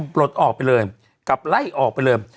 ปลดออกไปเลยกลับไล่ออกไปเลย